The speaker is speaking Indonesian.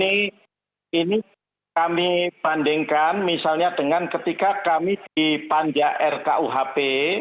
ini kami bandingkan misalnya dengan ketika kami di panja rkuhp